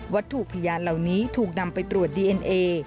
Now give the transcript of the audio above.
ถูกพยานเหล่านี้ถูกนำไปตรวจดีเอ็นเอ